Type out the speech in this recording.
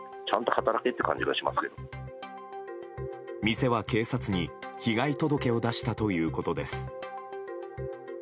店は、警察に被害届を出したということです。